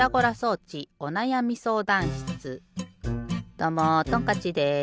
どうもトンカッチです。